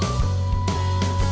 gak bisa kejar